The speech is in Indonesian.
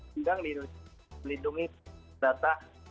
kita melindungi data